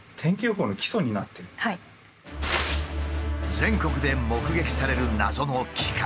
全国で目撃される謎の機械。